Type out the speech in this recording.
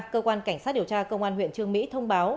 cơ quan cảnh sát điều tra công an huyện trương mỹ thông báo